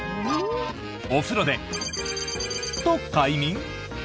お風呂で○○と快眠？